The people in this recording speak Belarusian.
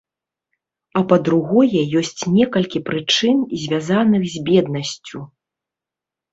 А па-другое, ёсць некалькі прычын, звязаных з беднасцю.